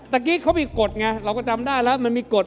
เมื่อกี้เขามีกฎไงเราก็จำได้แล้วมันมีกฎ